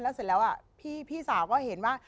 เสร็จแล้วพี่สาวก็เห็นว่า